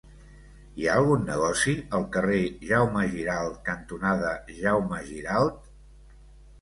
Hi ha algun negoci al carrer Jaume Giralt cantonada Jaume Giralt?